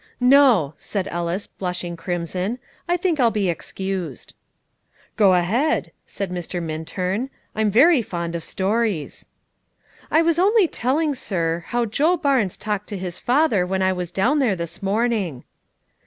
"No," said Ellis, blushing crimson; "I think I'll be excused." "Go ahead," said Mr. Minturn; "I'm very fond of stories." "I was only telling, sir, how Joe Barnes talked to his father when I was down there this morning."